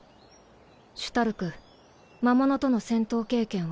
シュタルク魔物との戦闘経験は？